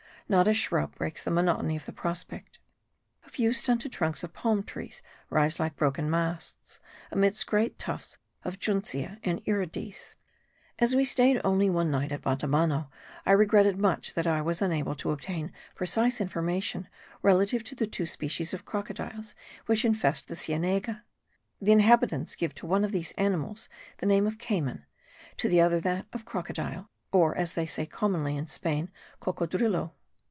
Not a shrub breaks the monotony of the prospect: a few stunted trunks of palm trees rise like broken masts, amidst great tufts of Junceae and Irides. As we stayed only one night at Batabano, I regretted much that I was unable to obtain precise information relative to the two species of crocodiles which infest the Sienega. The inhabitants give to one of these animals the name of cayman, to the other that of crocodile; or, as they say commonly in Spain, of cocodrilo.